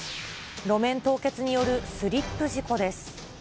路面凍結によるスリップ事故です。